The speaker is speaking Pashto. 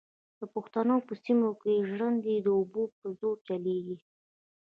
د پښتنو په سیمو کې ژرندې د اوبو په زور چلېږي.